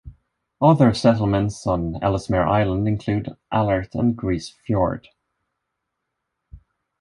Other settlements on Ellesmere Island include Alert and Grise Fiord.